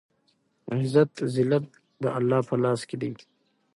عزت ذلت دالله په لاس کې دی